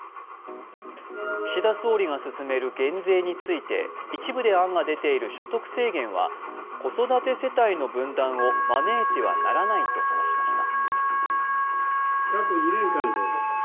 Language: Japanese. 岸田総理が進める減税について、一部で案が出ている所得制限は子育て世帯の分断を招いてはならないと話しました。